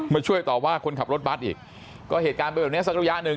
ช่วยต่อว่าคนขับรถบัตรอีกก็เหตุการณ์เป็นแบบนี้สักระยะหนึ่ง